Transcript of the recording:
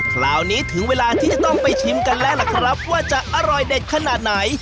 คราวนี้ถึงเวลาที่จะต้องไปชิมกันแล้วล่ะครับว่าจะอร่อยเด็ดขนาดไหน